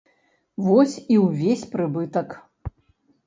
Вось і ўвесь прыбытак.